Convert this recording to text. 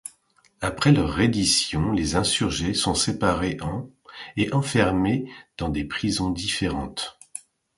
Après leur reddition, les insurgés sont séparés en et enfermés dans des prisons différentes.